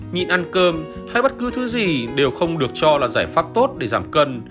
nhịn ăn cơm hay bất cứ thứ gì đều không được cho là giải pháp tốt để giảm cân